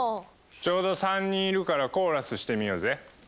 ちょうど３人いるからコーラスしてみようぜ。